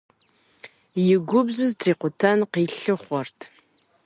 И губжьыр зытрикъутэн къилъыхъуэрт.